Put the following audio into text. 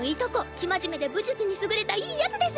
生真面目で武術に優れたいいヤツです。